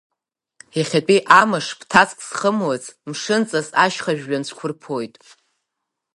Иахьатәи амыш ԥҭацк зхымлац, мшынҵас ашьха жәҩан цәқәырԥоит.